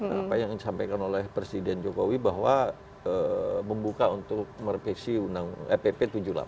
apa yang disampaikan oleh presiden jokowi bahwa membuka untuk merevisi undang pp tujuh puluh delapan